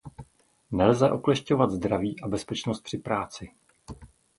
Nelze oklešťovat zdraví a bezpečnost při práci.